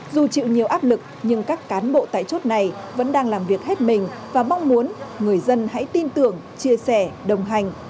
dù chịu nhiều áp lực nhưng các cán bộ tại chốt này vẫn đang làm việc hết mình và mong muốn người dân hãy tin tưởng chia sẻ đồng hành